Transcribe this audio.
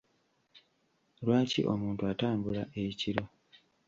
Lwaki omuntu atambula ekiro?